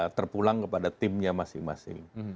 sudah pulang kepada timnya masing masing